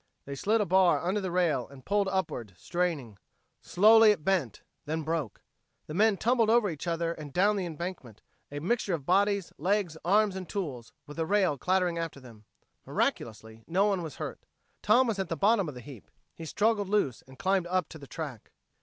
They slid a bar under the rail and pulled upward, straining. Slowly it bent; then broke. The men tumbled over each other down the embankment, a mixture of bodies, legs, arms and tools, with the rail clattering after them. Miraculously, no one was hurt. Tom was at the bottom of the heap; he struggled loose and climbed up to the track.